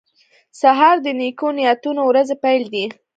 سهار د نیکو نیتونو ورځې پیل دی.